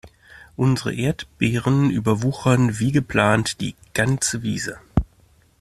Unsere Erdbeeren überwuchern wie geplant die ganze Wiese.